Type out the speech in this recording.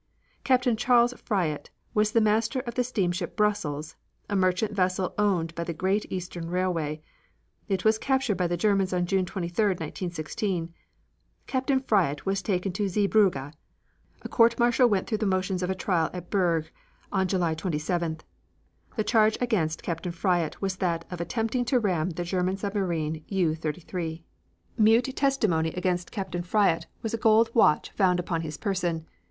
Captain Charles Fryatt was the master of the steamship Brussels, a merchant vessel owned by the Great Eastern Railway. It was captured by the Germans on June 23, 1916. Captain Fryatt was taken to Zeebrugge. A court martial went through the motions of a trial at Bruges on July 27th. The charge against Captain Fryatt was that of attempting to ram the German submarine U 33. Mute testimony against Captain Fryatt was a gold watch found upon his person.